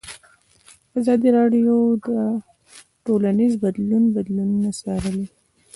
ازادي راډیو د ټولنیز بدلون بدلونونه څارلي.